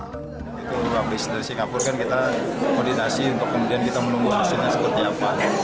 kita berpengalaman dari singapura kita moditasi untuk kemudian menunggu hasilnya seperti apa